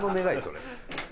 それ。